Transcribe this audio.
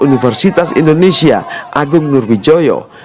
universitas indonesia agung nur wijoyo